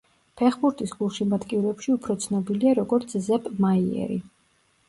ფეხბურთის გულშემატკივრებში უფრო ცნობილია როგორც ზეპ მაიერი.